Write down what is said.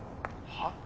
はっ？